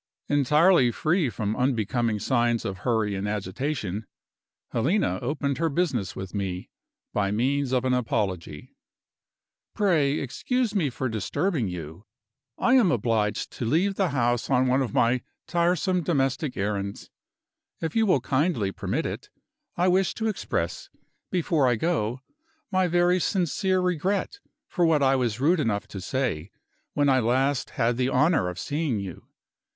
Entirely free from unbecoming signs of hurry and agitation, Helena opened her business with me by means of an apology. "Pray excuse me for disturbing you. I am obliged to leave the house on one of my tiresome domestic errands. If you will kindly permit it, I wish to express, before I go, my very sincere regret for what I was rude enough to say, when I last had the honor of seeing you.